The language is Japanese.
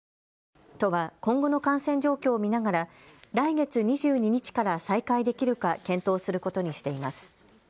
都は今後の感染状況を見ながら来月２２日から再開できるか検討することにしています。